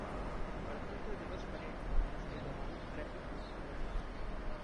गणतंत्र दिवस परेड अभ्यास के दौरान ट्रैफिक रूट में बदलाव